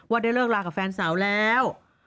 ได้เลิกลากับแฟนสาวแล้ว